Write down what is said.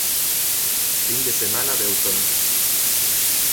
Fin de semana de outono.